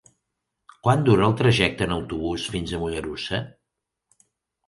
Quant dura el trajecte en autobús fins a Mollerussa?